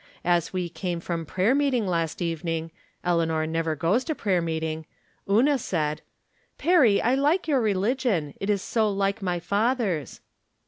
As we came from prayer meeting, last evening — Eleanor never goes to prayer meeting — Una said :" Perry, I like your religion, it is so like my father's."